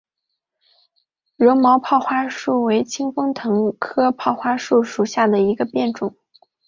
柔毛泡花树为清风藤科泡花树属下的一个变种。